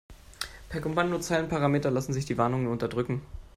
Per Kommandozeilenparameter lassen sich die Warnungen unterdrücken.